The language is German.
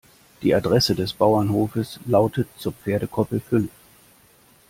Die Adresse des Bauernhofes lautet zur Pferdekoppel fünf.